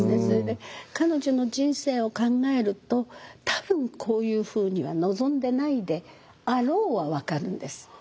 それで彼女の人生を考えると多分こういうふうには望んでないであろうは分かるんです。